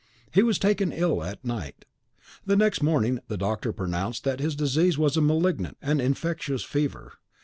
He was taken ill at night. The next morning the doctor pronounced that his disease was a malignant and infectious fever.